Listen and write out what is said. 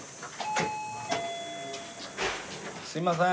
すみません。